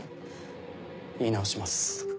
言い直します。